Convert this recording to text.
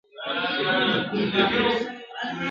مست له مُلو به زلمیان وي ته به یې او زه به نه یم ..